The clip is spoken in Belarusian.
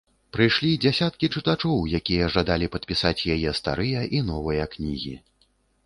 Прыйшлі дзясяткі чытачоў, якія жадалі падпісаць яе старыя і новыя кнігі.